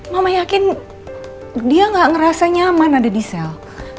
mama yakin dia gak ngerasa nyaman ada di sel